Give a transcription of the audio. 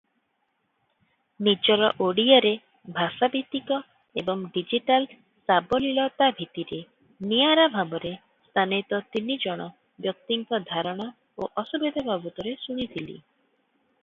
ନିଜର ଓଡ଼ିଆରେ ଭାଷାଭିତ୍ତିକ ଏବଂ ଡିଜିଟାଲ ସାବଲୀଳତା ଭିତ୍ତିରେ ନିଆରା ଭାବେ ସ୍ଥାନୀତ ତିନି ଜଣ ବ୍ୟକ୍ତିଙ୍କ ଧାରଣା ଓ ଅସୁବିଧା ବାବଦରେ ଶୁଣିଥିଲି ।